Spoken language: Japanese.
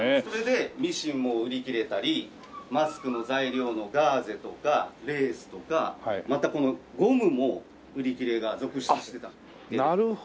それでミシンも売り切れたりマスクの材料のガーゼとかレースとかまたこのゴムも売り切れが続出してたんですよ。